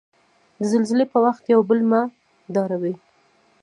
د زلزلې په وخت یو بل مه ډاروی.